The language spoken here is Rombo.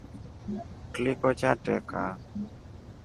Kliko chatreka.